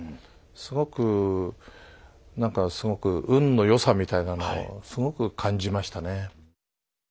すごくなんかすごく運の良さみたいなのをすごく感じましたね。